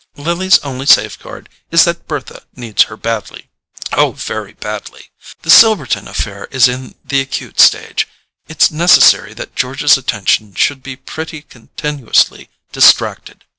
Lily's only safeguard is that Bertha needs her badly—oh, very badly. The Silverton affair is in the acute stage: it's necessary that George's attention should be pretty continuously distracted.